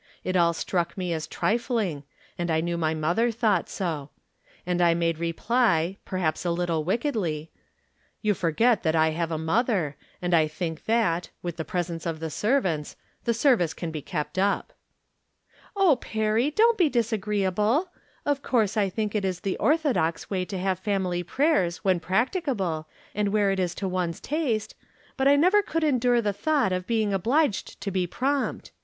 It all struck me as trifling, and I knew my mother thought so. And I made reply, perhaps a little wickedly :" You forget that I have a mother ; and I think that, with the presence of the servants, the service can be kept up." " Oh, now. Perry, don't be disagreeable ! Of course I think it is the orthodox way to have family prayers when practicable, and where it is to one's taste, but I never could endure the thought of being obliged to be prompt.